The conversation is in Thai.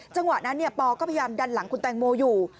จังหวะนั้นปอก็พยายามดันหลังคุณแตงโมอยู่